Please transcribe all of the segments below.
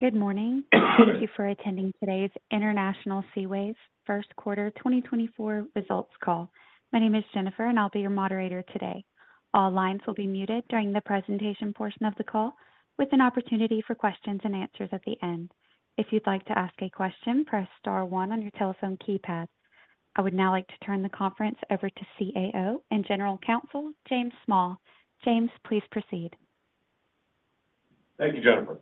Good morning. Thank you for attending today's International Seaways Q1 2024 results call. My name is Jennifer, and I'll be your moderator today. All lines will be muted during the presentation portion of the call, with an opportunity for questions and answers at the end. If you'd like to ask a question, press star 1 on your telephone keypad. I would now like to turn the conference over to CAO and General Counsel, James Small. James, please proceed. Thank you, Jennifer.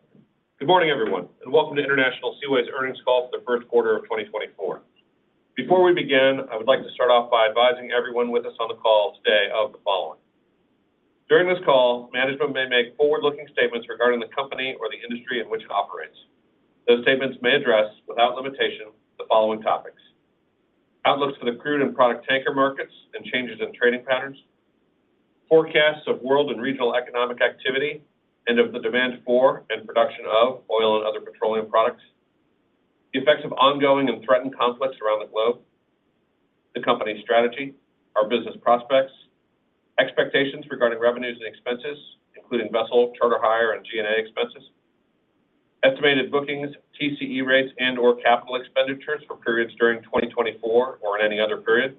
Good morning, everyone, and welcome to International Seaways' earnings call for the Q1 of 2024. Before we begin, I would like to start off by advising everyone with us on the call today of the following: During this call, management may make forward-looking statements regarding the company or the industry in which it operates. Those statements may address, without limitation, the following topics: outlooks for the crude and product tanker markets and changes in trading patterns, forecasts of world and regional economic activity and of the demand for and production of oil and other petroleum products, the effects of ongoing and threatened conflicts around the globe, the company's strategy, our business prospects, expectations regarding revenues and expenses, including vessel, charter hire, and G&A expenses, estimated bookings, TCE rates, and/or capital expenditures for periods during 2024 or in any other period,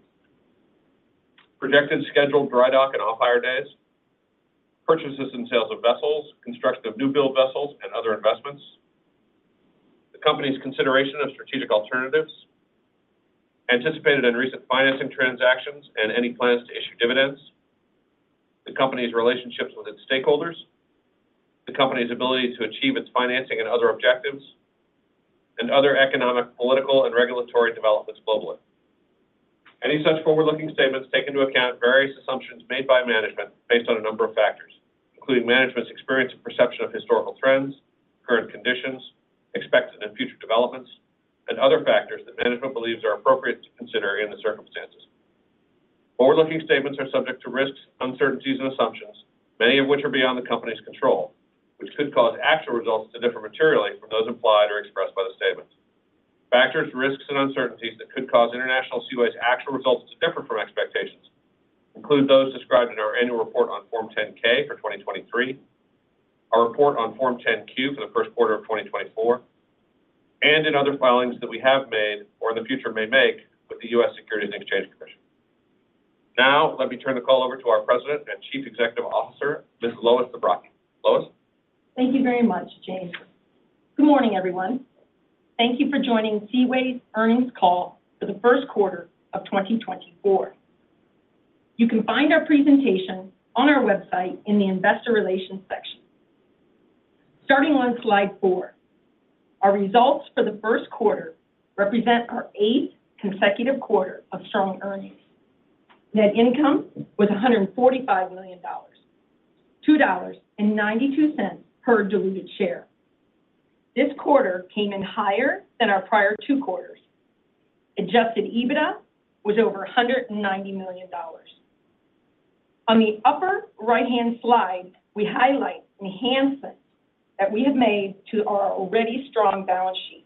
projected scheduled dry dock and off-hire days, purchases and sales of vessels, construction of new-built vessels, and other investments, the company's consideration of strategic alternatives, anticipated and recent financing transactions and any plans to issue dividends, the company's relationships with its stakeholders, the company's ability to achieve its financing and other objectives, and other economic, political, and regulatory developments globally. Any such forward-looking statements take into account various assumptions made by management based on a number of factors, including management's experience and perception of historical trends, current conditions, expected and future developments, and other factors that management believes are appropriate to consider in the circumstances. Forward-looking statements are subject to risks, uncertainties, and assumptions, many of which are beyond the company's control, which could cause actual results to differ materially from those implied or expressed by the statements. Factors, risks, and uncertainties that could cause International Seaways' actual results to differ from expectations include those described in our annual report on Form 10-K for 2023, our report on Form 10-Q for the Q1 of 2024, and in other filings that we have made or in the future may make with the U.S. Securities and Exchange Commission. Now, let me turn the call over to our President and Chief Executive Officer, Ms. Lois Zabrocky. Lois. Thank you very much, James. Good morning, everyone. Thank you for joining Seaways' earnings call for the Q1 of 2024. You can find our presentation on our website in the Investor Relations section. Starting on slide 4, our results for the Q1 represent our eighth consecutive quarter of strong earnings. Net income was $145 million, $2.92 per diluted share. This quarter came in higher than our prior two quarters. Adjusted EBITDA was over $190 million. On the upper right-hand slide, we highlight enhancements that we have made to our already strong balance sheet.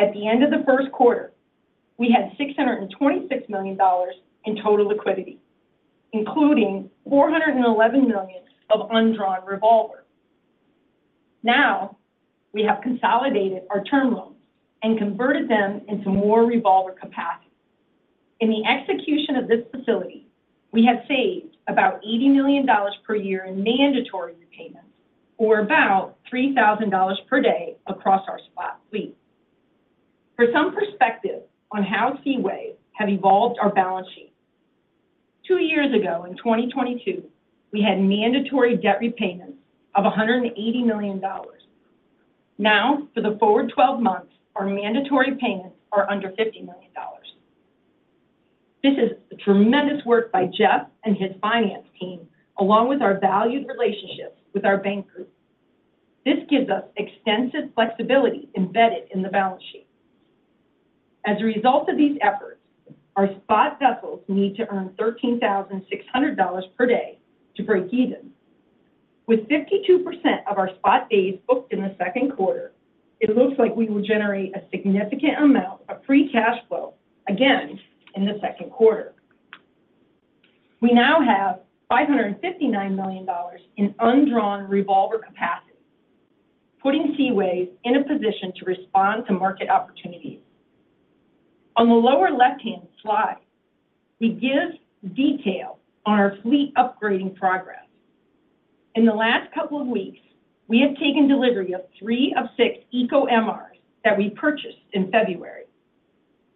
At the end of the Q1, we had $626 million in total liquidity, including $411 million of undrawn revolver. Now, we have consolidated our term loans and converted them into more revolver capacity. In the execution of this facility, we have saved about $80 million per year in mandatory repayments, or about $3,000 per day across our fleet. For some perspective on how Seaways have evolved our balance sheet: two years ago, in 2022, we had mandatory debt repayments of $180 million. Now, for the forward 12 months, our mandatory payments are under $50 million. This is tremendous work by Jeff and his finance team, along with our valued relationships with our bank group. This gives us extensive flexibility embedded in the balance sheet. As a result of these efforts, our spot vessels need to earn $13,600 per day to break even. With 52% of our spot days booked in the second quarter, it looks like we will generate a significant amount of free cash flow, again, in the second quarter. We now have $559 million in undrawn revolver capacity, putting Seaways in a position to respond to market opportunities. On the lower left-hand slide, we give detail on our fleet upgrading progress. In the last couple of weeks, we have taken delivery of three of six Eco-MRs that we purchased in February.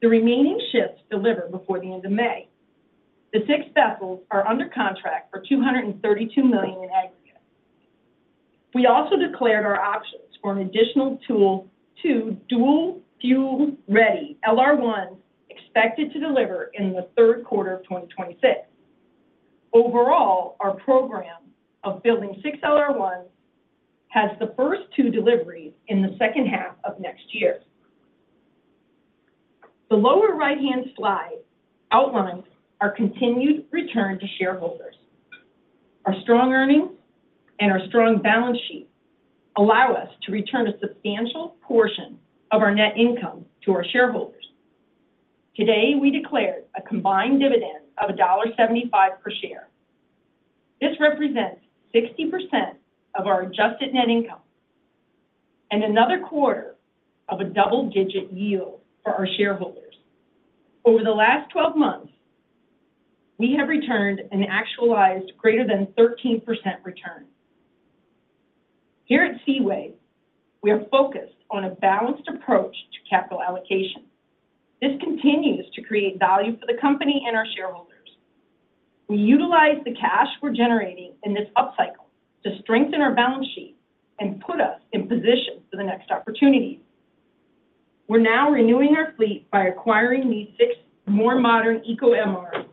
The remaining ships deliver before the end of May. The six vessels are under contract for $232 million in aggregate. We also declared our options for two additional dual-fuel-ready LR1s expected to deliver in the third quarter of 2026. Overall, our program of building six LR1s has the first two deliveries in the second half of next year. The lower right-hand slide outlines our continued return to shareholders. Our strong earnings and our strong balance sheet allow us to return a substantial portion of our net income to our shareholders. Today, we declared a combined dividend of $1.75 per share. This represents 60% of our adjusted net income and another quarter of a double-digit yield for our shareholders. Over the last 12 months, we have returned an actualized greater than 13% return. Here at Seaways, we are focused on a balanced approach to capital allocation. This continues to create value for the company and our shareholders. We utilize the cash we're generating in this upcycle to strengthen our balance sheet and put us in position for the next opportunities. We're now renewing our fleet by acquiring these 6 more modern Eco-MRs.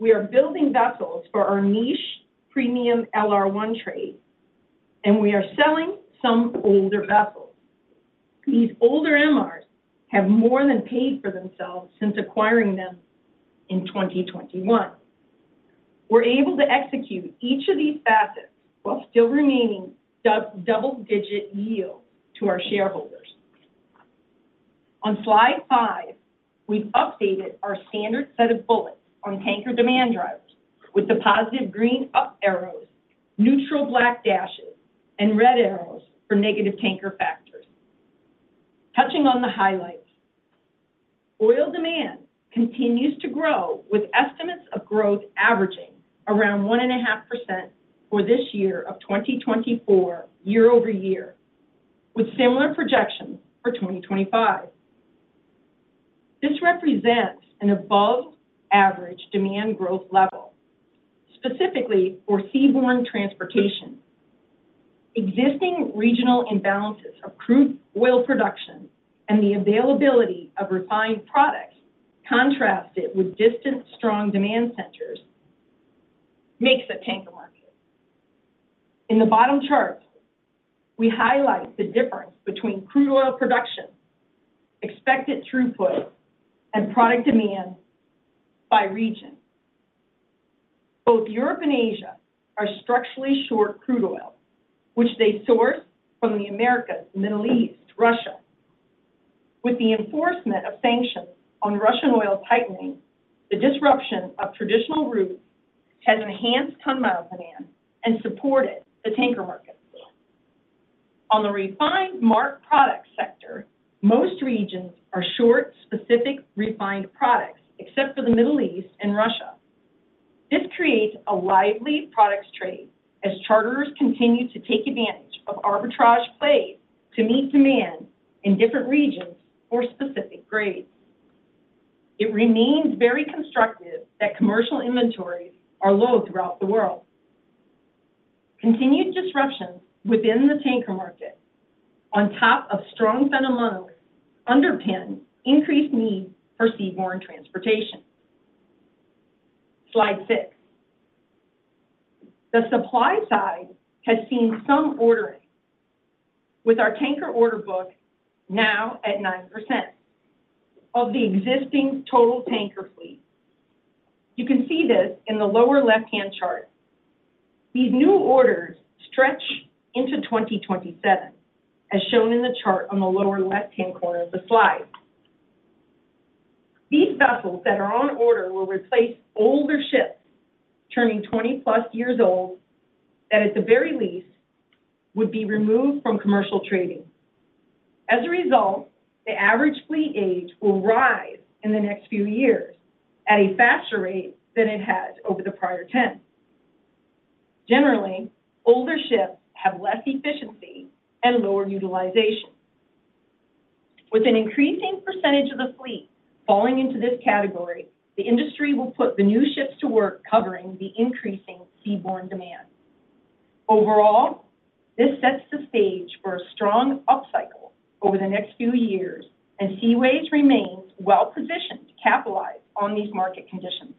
We are building vessels for our niche premium LR1 trade, and we are selling some older vessels. These older MRs have more than paid for themselves since acquiring them in 2021. We're able to execute each of these facets while still remaining double-digit yields to our shareholders. On slide 5, we've updated our standard set of bullets on tanker demand drivers with the positive green up arrows, neutral black dashes, and red arrows for negative tanker factors. Touching on the highlights: oil demand continues to grow, with estimates of growth averaging around 1.5% for this year of 2024 year over year, with similar projections for 2025. This represents an above-average demand growth level, specifically for seaborne transportation. Existing regional imbalances of crude oil production and the availability of refined products contrasted with distant strong demand centers makes it tanker market. In the bottom chart, we highlight the difference between crude oil production, expected throughput, and product demand by region. Both Europe and Asia are structurally short crude oil, which they source from the Americas, the Middle East, Russia. With the enforcement of sanctions on Russian oil tightening, the disruption of traditional routes has enhanced tonne mile demand and supported the tanker market. On the refined products market sector, most regions are short specific refined products, except for the Middle East and Russia. This creates a lively products trade as charterers continue to take advantage of arbitrage plays to meet demand in different regions for specific grades. It remains very constructive that commercial inventories are low throughout the world. Continued disruptions within the tanker market, on top of strong fundamentals, underpin increased need for seaborne transportation. Slide 6. The supply side has seen some ordering, with our tanker order book now at 9% of the existing total tanker fleet. You can see this in the lower left-hand chart. These new orders stretch into 2027, as shown in the chart on the lower left-hand corner of the slide. These vessels that are on order will replace older ships turning 20+ years old that, at the very least, would be removed from commercial trading. As a result, the average fleet age will rise in the next few years at a faster rate than it has over the prior 10. Generally, older ships have less efficiency and lower utilization. With an increasing percentage of the fleet falling into this category, the industry will put the new ships to work covering the increasing seaborne demand. Overall, this sets the stage for a strong upcycle over the next few years, and Seaways remains well-positioned to capitalize on these market conditions.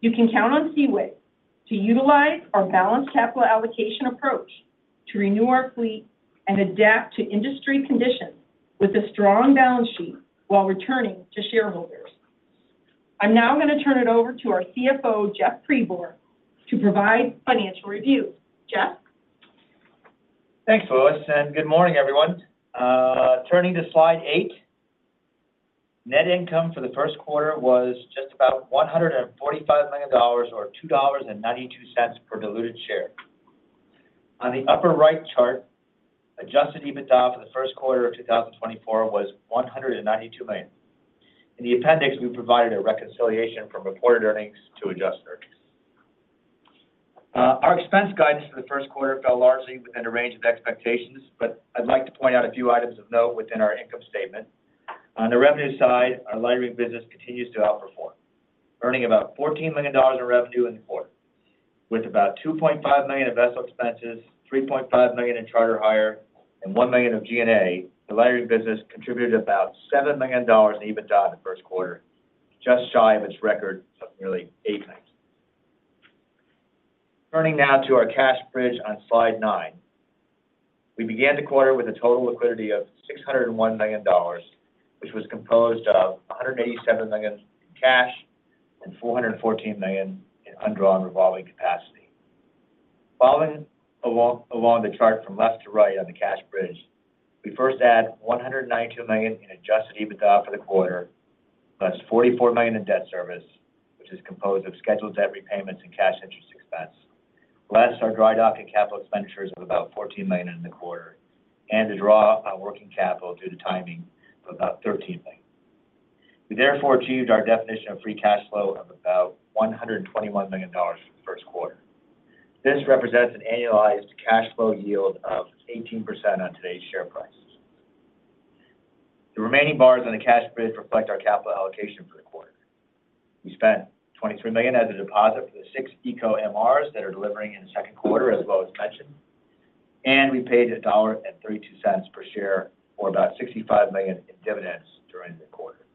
You can count on Seaways to utilize our balanced capital allocation approach to renew our fleet and adapt to industry conditions with a strong balance sheet while returning to shareholders. I'm now going to turn it over to our CFO, Jeff Pribor, to provide financial review. Jeff. Thanks, Lois, and good morning, everyone. Turning to slide 8: net income for the Q1 was just about $145 million or $2.92 per diluted share. On the upper right chart, adjusted EBITDA for the Q1 of 2024 was $192 million. In the appendix, we provided a reconciliation from reported earnings to adjusted earnings. Our expense guidance for the Q1 fell largely within a range of expectations, but I'd like to point out a few items of note within our income statement. On the revenue side, our lightering business continues to outperform, earning about $14 million in revenue in the quarter. With about $2.5 million in vessel expenses, $3.5 million in charter hire, and $1 million of G&A, the lightering business contributed about $7 million in EBITDA in the Q1, just shy of its record of nearly eight million. Turning now to our cash bridge on slide 9: We began the quarter with a total liquidity of $601 million, which was composed of $187 million in cash and $414 million in undrawn revolving capacity. Following along the chart from left to right on the cash bridge, we first add $192 million in Adjusted EBITDA for the quarter, plus $44 million in debt service, which is composed of scheduled debt repayments and cash interest expense, less our dry docking capital expenditures of about $14 million in the quarter, and to draw our working capital due to timing of about $13 million. We therefore achieved our definition of free cash flow of about $121 million for the Q1. This represents an annualized cash flow yield of 18% on today's share price. The remaining bars on the cash bridge reflect our capital allocation for the quarter. We spent $23 million as a deposit for the six Eco-MRs that are delivering in the second quarter, as Lois mentioned, and we paid $1.32 per share or about $65 million in dividends during the quarter.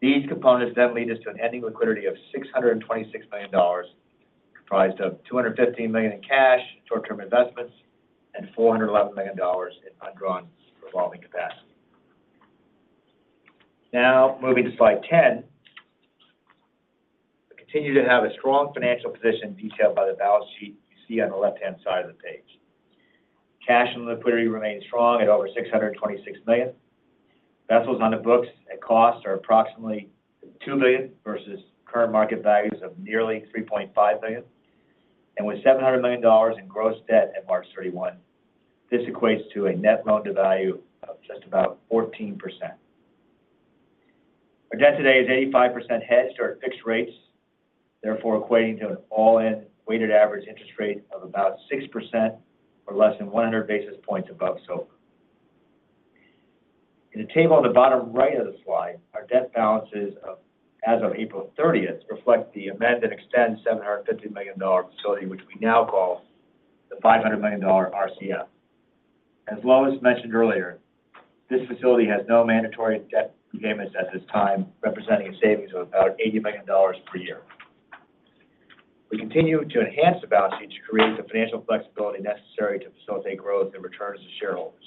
These components then lead us to an ending liquidity of $626 million, comprised of $215 million in cash short-term investments and $411 million in undrawn revolving capacity. Now, moving to slide 10: we continue to have a strong financial position detailed by the balance sheet you see on the left-hand side of the page. Cash and liquidity remain strong at over $626 million. Vessels on the books at cost are approximately $2 million versus current market values of nearly $3.5 million, and with $700 million in gross debt at March 31, this equates to a net loan-to-value of just about 14%. Our debt today is 85% hedged or at fixed rates, therefore equating to an all-in weighted average interest rate of about 6% or less than 100 basis points above SOFR. In the table on the bottom right of the slide, our debt balances as of April 30 reflect the amend and extend $750 million facility, which we now call the $500 million RCF. As Lois mentioned earlier, this facility has no mandatory debt repayments at this time, representing a savings of about $80 million per year. We continue to enhance the balance sheet to create the financial flexibility necessary to facilitate growth and returns to shareholders.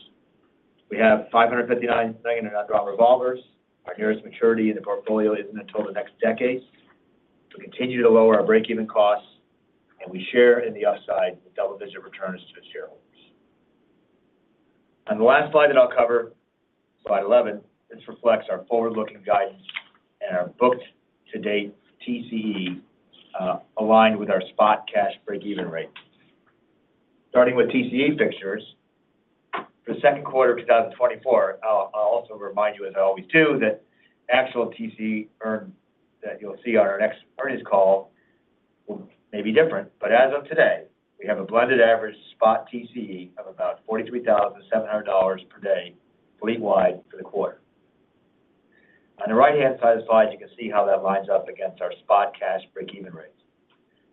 We have $559 million in undrawn revolvers. Our nearest maturity in the portfolio isn't until the next decade. We continue to lower our break-even costs, and we share in the upside with double-digit returns to shareholders. On the last slide that I'll cover, slide 11, this reflects our forward-looking guidance and our booked-to-date TCE aligned with our spot cash break-even rate. Starting with TCE fixtures, for the second quarter of 2024, I'll also remind you, as I always do, that actual TCE earned that you'll see on our next earnings call will may be different, but as of today, we have a blended average spot TCE of about $43,700 per day fleet-wide for the quarter. On the right-hand side of the slide, you can see how that lines up against our spot cash break-even rates.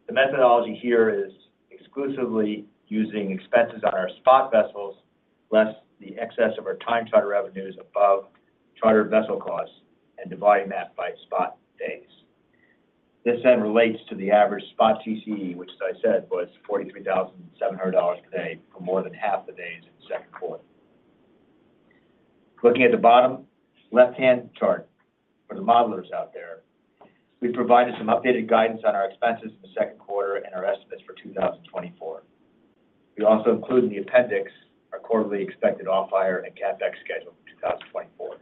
The methodology here is exclusively using expenses on our spot vessels, less the excess of our time charter revenues above chartered vessel costs, and dividing that by spot days. This then relates to the average spot TCE, which, as I said, was $43,700 per day for more than half the days in the second quarter. Looking at the bottom left-hand chart for the modelers out there, we've provided some updated guidance on our expenses in the second quarter and our estimates for 2024. We also include in the appendix our quarterly expected off-hire and CapEx schedule for 2024.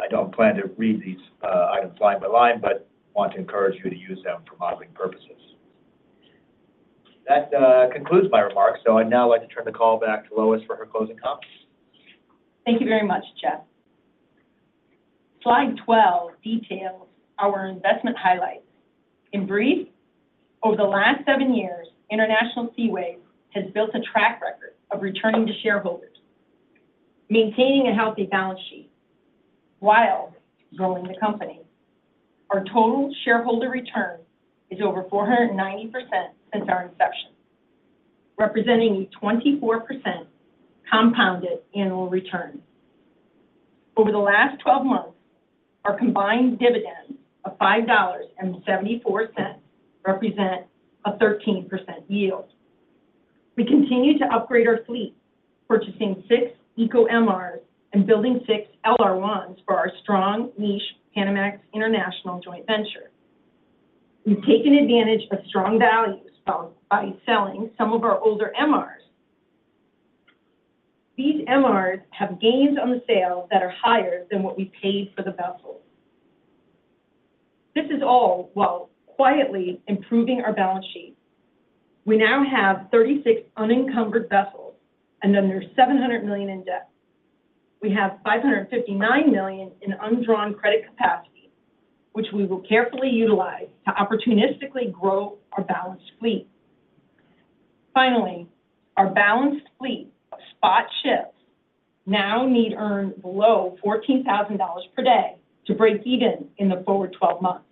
I don't plan to read these items line by line, but want to encourage you to use them for modeling purposes. That concludes my remarks, so I'd now like to turn the call back to Lois for her closing comments. Thank you very much, Jeff. Slide 12 details our investment highlights. In brief, over the last 7 years, International Seaways has built a track record of returning to shareholders, maintaining a healthy balance sheet while growing the company. Our total shareholder return is over 490% since our inception, representing a 24% compounded annual return. Over the last 12 months, our combined dividends of $5.74 represent a 13% yield. We continue to upgrade our fleet, purchasing 6 Eco-MRs and building 6 LR1s for our strong niche Panamax International joint venture. We've taken advantage of strong values by selling some of our older MRs. These MRs have gains on the sales that are higher than what we paid for the vessels. This is all while quietly improving our balance sheet. We now have 36 unencumbered vessels and under $700 million in debt. We have $559 million in undrawn credit capacity, which we will carefully utilize to opportunistically grow our balanced fleet. Finally, our balanced fleet of spot ships now need earned below $14,000 per day to break even in the forward 12 months.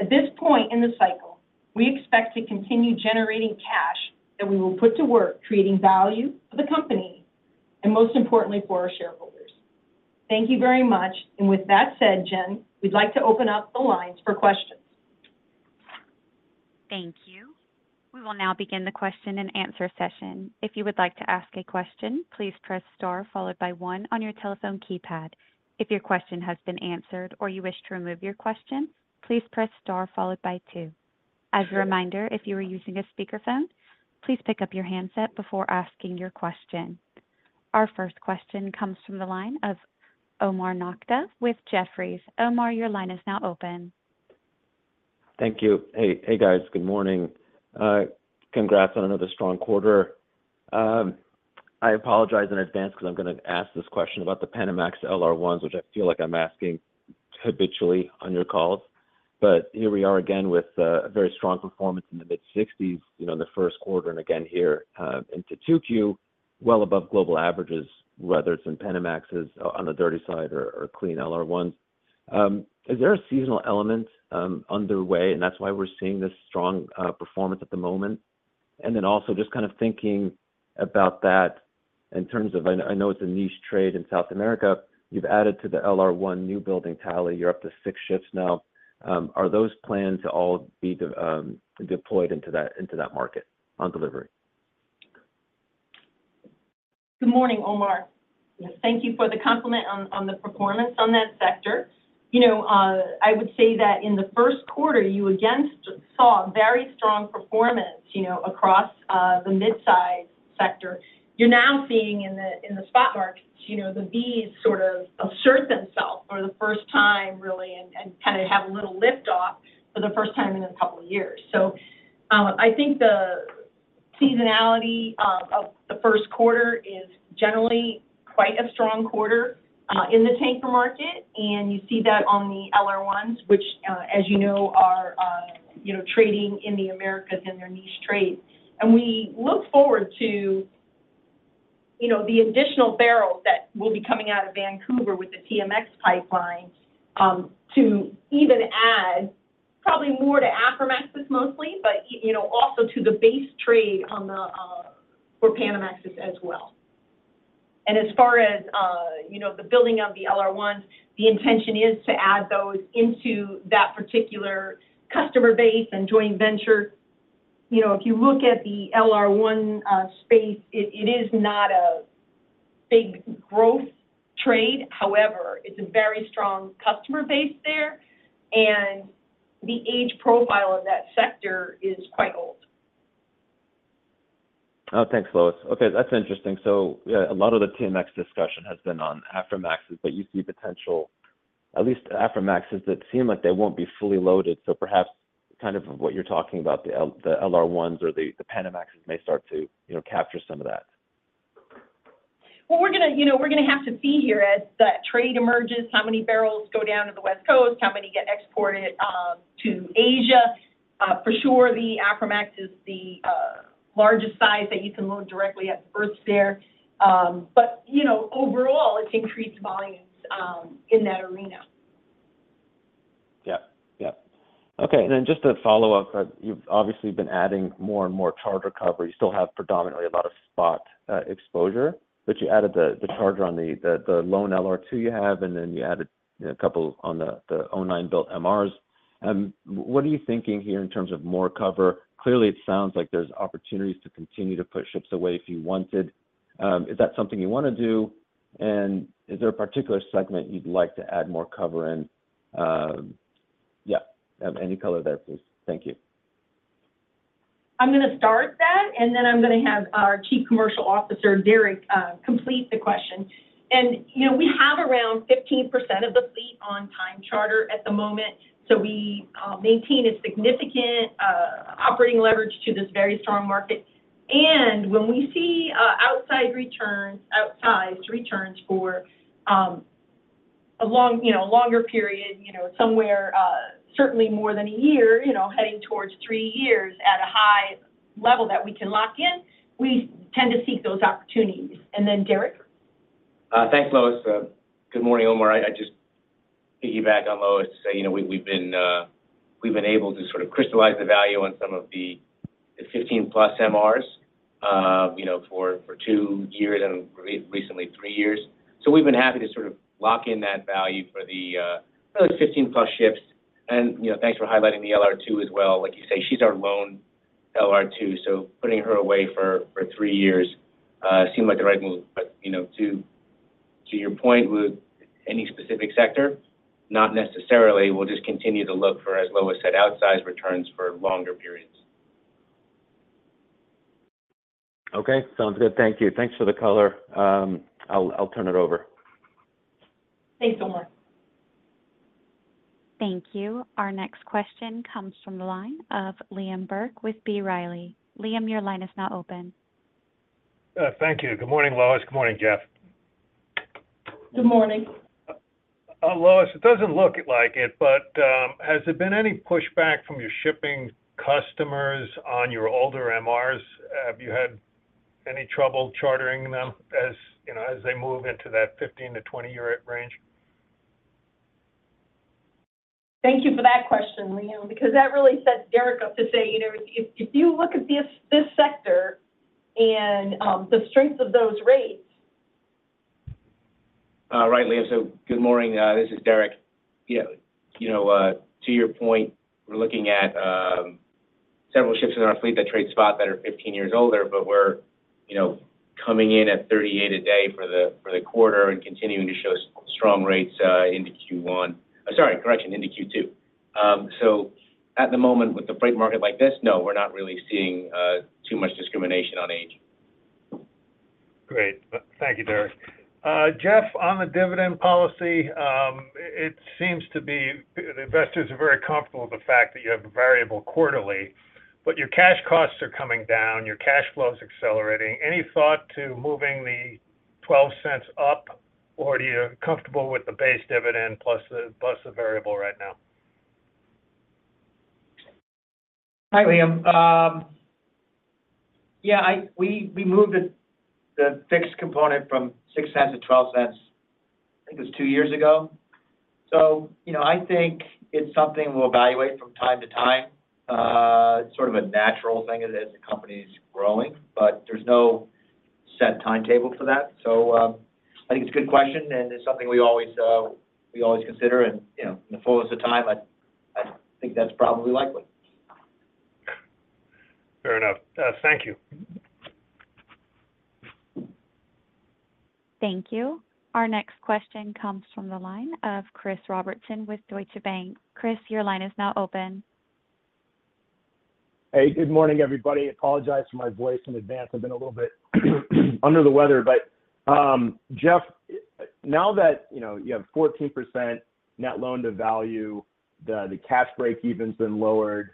At this point in the cycle, we expect to continue generating cash that we will put to work creating value for the company and, most importantly, for our shareholders. Thank you very much. And with that said, Jen, we'd like to open up the lines for questions. Thank you. We will now begin the question and answer session. If you would like to ask a question, please press star followed by 1 on your telephone keypad. If your question has been answered or you wish to remove your question, please press star followed by 2. As a reminder, if you are using a speakerphone, please pick up your handset before asking your question. Our first question comes from the line of Omar Nokta with Jefferies. Omar, your line is now open. Thank you. Hey, hey guys. Good morning. Congrats on another strong quarter. I apologize in advance because I'm going to ask this question about the Panamax LR1s, which I feel like I'm asking habitually on your calls. But here we are again with a very strong performance in the mid-60s in the Q1 and again here into 2Q, well above global averages, whether it's in Panamaxes on the dirty side or clean LR1s. Is there a seasonal element underway, and that's why we're seeing this strong performance at the moment? And then also just kind of thinking about that in terms of I know it's a niche trade in South America. You've added to the LR1 new building tally. You're up to 6 ships now. Are those plans to all be deployed into that market on delivery? Good morning, Omar. Thank you for the compliment on the performance on that sector. I would say that in the Q1, you again saw very strong performance across the midsize sector. You're now seeing in the spot markets, the Vs sort of assert themselves for the first time, really, and kind of have a little lift-off for the first time in a couple of years. So I think the seasonality of the Q1 is generally quite a strong quarter in the tanker market, and you see that on the LR1s, which, as you know, are trading in the Americas in their niche trade. We look forward to the additional barrels that will be coming out of Vancouver with the TMX pipeline to even add probably more to Aframaxes mostly, but also to the base trade for Panamaxes as well. As far as the building of the LR1s, the intention is to add those into that particular customer base and joint venture. If you look at the LR1 space, it is not a big growth trade. However, it's a very strong customer base there, and the age profile of that sector is quite old. Oh, thanks, Lois. Okay, that's interesting. So a lot of the TMX discussion has been on Aframaxes, but you see potential, at least Aframaxes, that seem like they won't be fully loaded. So perhaps kind of what you're talking about, the LR1s or the Panamaxes may start to capture some of that. Well, we're going to have to see here as that trade emerges, how many barrels go down to the West Coast, how many get exported to Asia. For sure, the Aframax is the largest size that you can load directly at the berths there. But overall, it's increased volumes in that arena. Yep, yep. Okay. And then just to follow up, you've obviously been adding more and more charter cover. You still have predominantly a lot of spot exposure, but you added the charter on the one LR2 you have, and then you added a couple on the 2009 built MRs. What are you thinking here in terms of more cover? Clearly, it sounds like there's opportunities to continue to put ships away if you wanted. Is that something you want to do? And is there a particular segment you'd like to add more cover in? Yeah, any color there, please. Thank you. I'm going to start that, and then I'm going to have our Chief Commercial Officer, Derek, complete the question. And we have around 15% of the fleet on time charter at the moment, so we maintain a significant operating leverage to this very strong market. And when we see outside returns, outsized returns for a longer period, somewhere certainly more than a year, heading towards three years at a high level that we can lock in, we tend to seek those opportunities. And then, Derek? Thanks, Lois. Good morning, Omar. I'd just piggyback on Lois to say we've been able to sort of crystallize the value on some of the 15+ MRs for 2 years and recently 3 years. So we've been happy to sort of lock in that value for those 15+ ships. And thanks for highlighting the LR2 as well. Like you say, she's our lone LR2, so putting her away for 3 years seemed like the right move. But to your point, any specific sector? Not necessarily. We'll just continue to look for, as Lois said, outsized returns for longer periods. Okay, sounds good. Thank you. Thanks for the color. I'll turn it over. Thanks, Omar. Thank you. Our next question comes from the line of Liam Burke with B. Riley. Liam, your line is now open. Thank you. Good morning, Lois. Good morning, Jeff. Good morning. Lois, it doesn't look like it, but has there been any pushback from your shipping customers on your older MRs? Have you had any trouble chartering them as they move into that 15-20-year range? Thank you for that question, Liam, because that really sets Derek up to say, "If you look at this sector and the strength of those rates. Right, Liam. So good morning. This is Derek. To your point, we're looking at several ships in our fleet that trade spot that are 15 years older, but we're coming in at $38 a day for the quarter and continuing to show strong rates into Q1. Sorry, correction, into Q2. So at the moment, with the freight market like this, no, we're not really seeing too much discrimination on age. Great. Thank you, Derek. Jeff, on the dividend policy, it seems to be the investors are very comfortable with the fact that you have a variable quarterly, but your cash costs are coming down. Your cash flow is accelerating. Any thought to moving the $0.12 up, or are you comfortable with the base dividend plus the variable right now? Hi, Liam. Yeah, we moved the fixed component from $0.06 to $0.12. I think it was two years ago. So I think it's something we'll evaluate from time to time. It's sort of a natural thing as the company's growing, but there's no set timetable for that. So I think it's a good question, and it's something we always consider. And in the fullest of time, I think that's probably likely. Fair enough. Thank you. Thank you. Our next question comes from the line of Chris Robertson with Deutsche Bank. Chris, your line is now open. Hey, good morning, everybody. Apologize for my voice in advance. I've been a little bit under the weather. But Jeff, now that you have 14% net loan-to-value, the cash break-even's been lowered,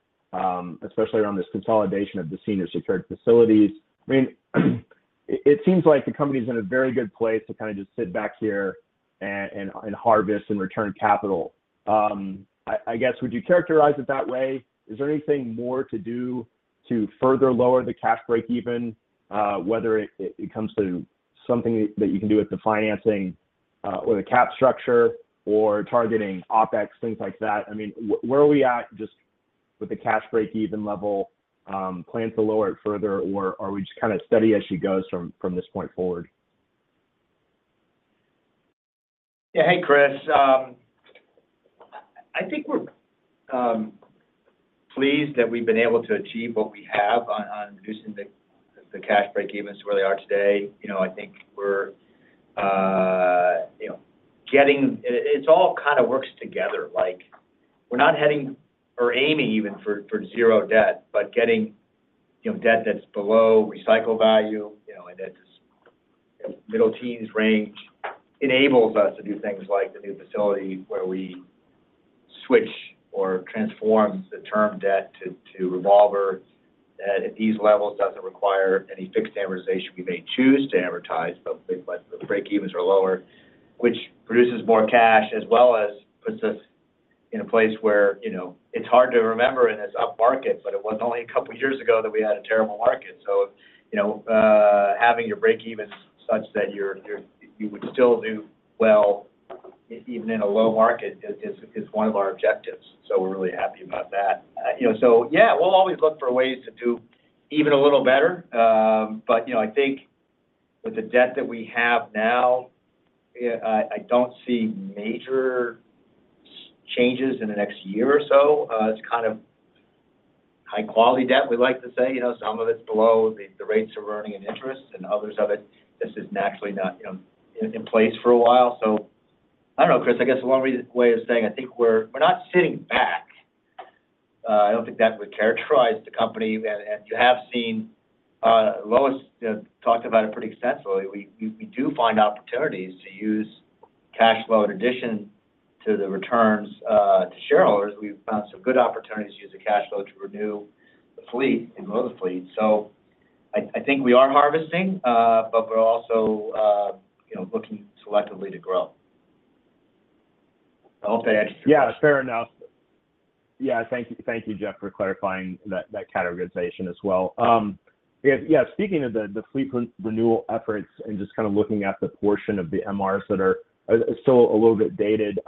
especially around this consolidation of the senior security facilities. I mean, it seems like the company's in a very good place to kind of just sit back here and harvest and return capital. I guess, would you characterize it that way? Is there anything more to do to further lower the cash break-even, whether it comes to something that you can do with the financing or the cap structure or targeting OpEx, things like that? I mean, where are we at just with the cash break-even level? Plans to lower it further, or are we just kind of steady as she goes from this point forward? Yeah, hey, Chris. I think we're pleased that we've been able to achieve what we have on reducing the cash break-even to where they are today. I think we're getting it all kind of works together. We're not heading or aiming even for zero debt, but getting debt that's below recycle value and that's just middle-teens range enables us to do things like the new facility where we switch or transform the term debt to revolver that, at these levels, doesn't require any fixed amortization. We may choose to amortize, but the breakevens are lower, which produces more cash as well as puts us in a place where it's hard to remember in this upmarket, but it wasn't only a couple of years ago that we had a terrible market. So having your breakevens such that you would still do well even in a low market is one of our objectives. So we're really happy about that. So yeah, we'll always look for ways to do even a little better. But I think with the debt that we have now, I don't see major changes in the next year or so. It's kind of high-quality debt, we like to say. Some of it's below the rates of earning and interest, and others of it, this is naturally not in place for a while. So I don't know, Chris. I guess the one way of saying I think we're not sitting back. I don't think that would characterize the company. And you have seen Lois talked about it pretty extensively. We do find opportunities to use cash flow in addition to the returns to shareholders. We've found some good opportunities to use the cash flow to renew the fleet and grow the fleet. So I think we are harvesting, but we're also looking selectively to grow. I hope that answers your question. Yeah, fair enough. Yeah, thank you, Jeff, for clarifying that categorization as well. Yeah, speaking of the fleet renewal efforts and just kind of looking at the portion of the MRs that are still a little bit dated,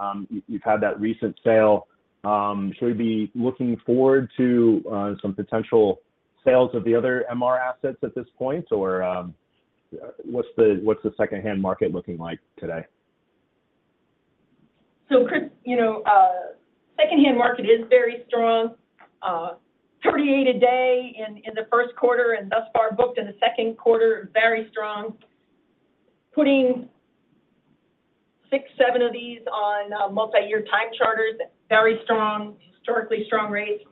you've had that recent sale. Should we be looking forward to some potential sales of the other MR assets at this point, or what's the second-hand market looking like today? Chris, second-hand market is very strong. $38 a day in the Q1 and thus far booked in the second quarter, very strong. Putting 6, 7 of these on multi-year time charters, very strong, historically strong rates.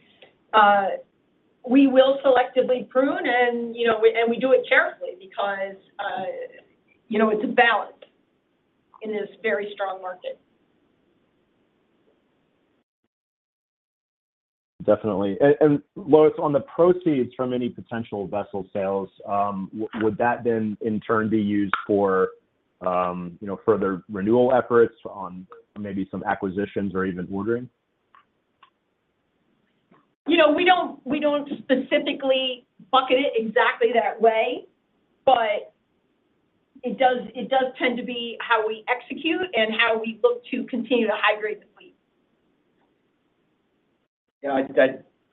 We will selectively prune, and we do it carefully because it's a balance in this very strong market. Definitely. Lois, on the proceeds from any potential vessel sales, would that then, in turn, be used for further renewal efforts on maybe some acquisitions or even ordering? We don't specifically bucket it exactly that way, but it does tend to be how we execute and how we look to continue to hydrate the fleet. Yeah, I'd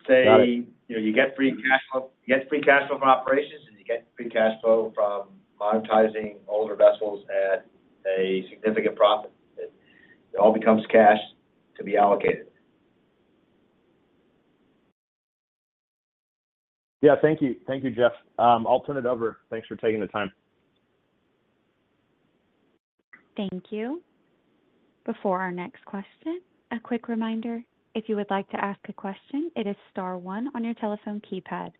say you get free cash flow from operations, and you get free cash flow from monetizing older vessels at a significant profit. It all becomes cash to be allocated. Yeah, thank you. Thank you, Jeff. I'll turn it over. Thanks for taking the time. Thank you. Before our next question, a quick reminder, if you would like to ask a question, it is star one on your telephone keypad.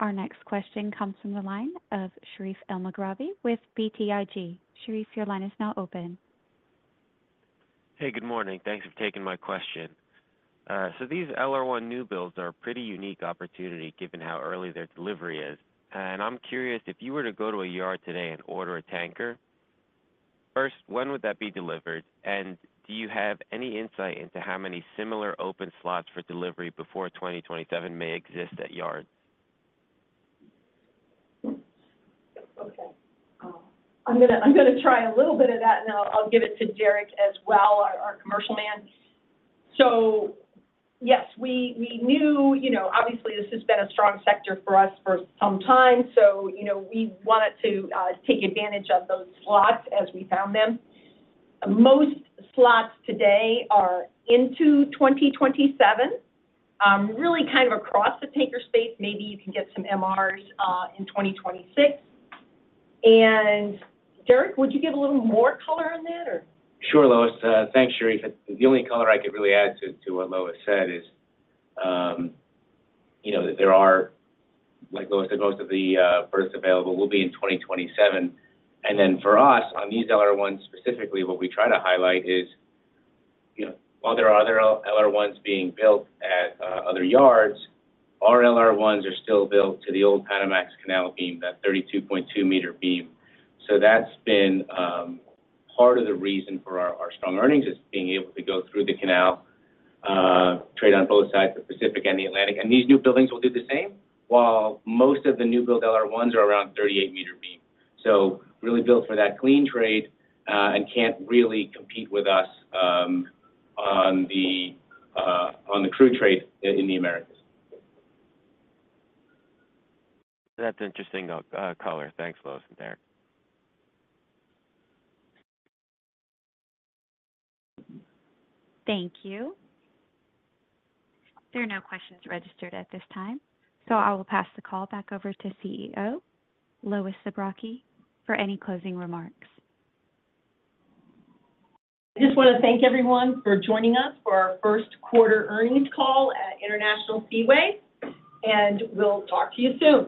Our next question comes from the line of Sherif Elmaghrabi with BTIG. Sharif, your line is now open. Hey, good morning. Thanks for taking my question. So these LR1 new builds are a pretty unique opportunity given how early their delivery is. And I'm curious, if you were to go to a yard today and order a tanker, first, when would that be delivered? And do you have any insight into how many similar open slots for delivery before 2027 may exist at yards? Okay. I'm going to try a little bit of that, and I'll give it to Derek as well, our commercial man. So yes, we knew obviously, this has been a strong sector for us for some time, so we wanted to take advantage of those slots as we found them. Most slots today are into 2027, really kind of across the tanker space. Maybe you can get some MRs in 2026. And Derek, would you give a little more color on that, or? Sure, Lois. Thanks, Sherif. The only color I could really add to what Lois said is that there are, like Lois said, most of the berths available will be in 2027. And then for us, on these LR1s specifically, what we try to highlight is while there are other LR1s being built at other yards, our LR1s are still built to the old Panama Canal beam, that 32.2-meter beam. So that's been part of the reason for our strong earnings is being able to go through the canal, trade on both sides, the Pacific and the Atlantic. And these new buildings will do the same while most of the new-built LR1s are around 38-meter beam. So really built for that clean trade and can't really compete with us on the crude trade in the Americas. That's interesting color. Thanks, Lois and Derek. Thank you. There are no questions registered at this time, so I will pass the call back over to CEO Lois Zabrocky for any closing remarks. I just want to thank everyone for joining us for our Q1 earnings call at International Seaways, and we'll talk to you soon.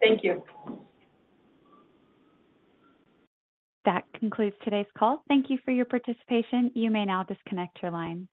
Thank you. That concludes today's call. Thank you for your participation. You may now disconnect your line.